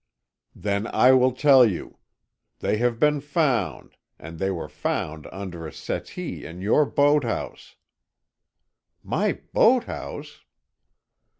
"Then I will tell you. They have been found, and they were found under a settee in your boathouse——" "My boathouse!"